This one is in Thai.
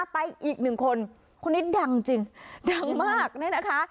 ไปอีกหนึ่งคนคนนี้ดังจริงดังมากเนี่ยนะคะ